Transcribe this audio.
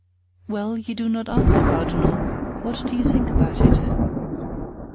"Well, you do not answer, cardinal, what do you think about it?"